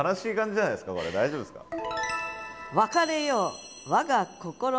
これ大丈夫っすか？